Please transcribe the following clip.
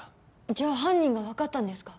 じゃあ犯人が分かったんですか？